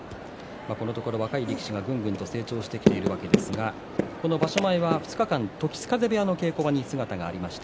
このところ、若い力士がどんどん成長してきているわけですがこの場所前の２日間時津風部屋の稽古場に姿がありました。